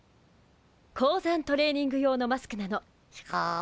高山トレーニング用のマスクなのシュコー。